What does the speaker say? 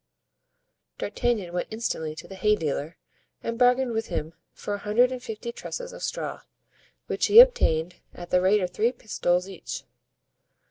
D'Artagnan went instantly to the hay dealer and bargained with him for a hundred and fifty trusses of straw, which he obtained, at the rate of three pistoles each.